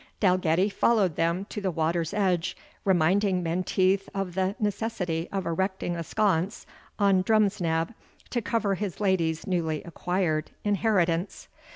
Dalgetty followed them to the water's edge, reminding Menteith of the necessity of erecting a sconce on Drumsnab to cover his lady's newly acquired inheritance.